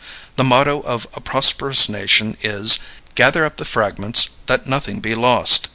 The motto of a prosperous nation is: "Gather up the fragments that nothing be lost."